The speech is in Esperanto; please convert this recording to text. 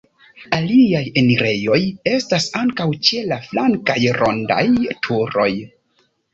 Aliaj enirejoj estas ankaŭ ĉe la flankaj rondaj turoj.